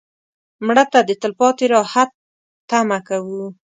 مړه ته د تلپاتې راحت تمه کوو